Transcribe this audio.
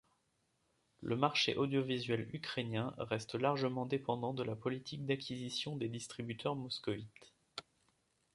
Le marché audiovisuel ukrainien reste largement dépendant de la politique d'acquisition des distributeurs moscovites.